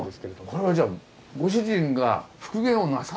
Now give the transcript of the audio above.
これはじゃあご主人が復元をなさったんですね？